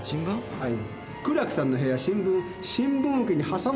はい。